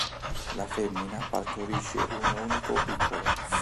La femmina partorisce un unico piccolo.